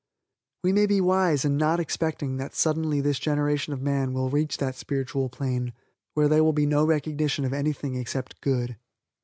We may be wise in not expecting that suddenly this generation of man will reach that spiritual plane where there will be no recognition of anything except good.